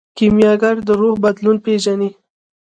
کیمیاګر د روح بدلون پیژني.